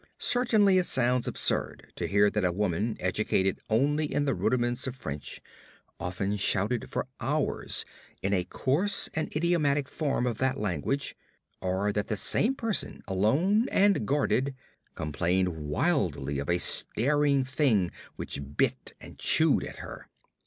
Certainly it sounds absurd to hear that a woman educated only in the rudiments of French often shouted for hours in a coarse and idiomatic form of that language, or that the same person, alone and guarded, complained wildly of a staring thing which bit and chewed at her.